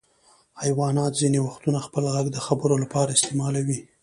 حیوانات ځینې وختونه خپل غږ د خبرو لپاره استعمالوي.